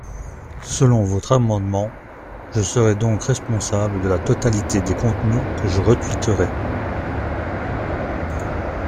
Selon votre amendement, je serais donc responsable de la totalité des contenus que je retweeterais.